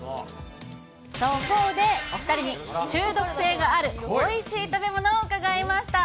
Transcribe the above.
そこで、お２人に中毒性があるおいしい食べ物を伺いました。